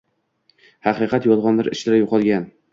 Haqiqat yolgʻonlar ichra yoʻqolgan